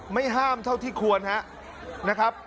ไม่ห้ามเท่าที่ควรนะครับ